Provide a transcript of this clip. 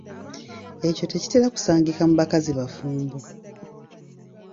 Ekyo tekitera kusangika mu bakazi bafumbo.